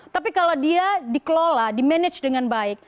tapi kalau dia dikelola di manage dengan baik